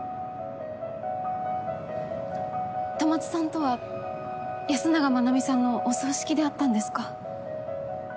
戸松さんとは安永真奈美さんのお葬式で会ったんですか？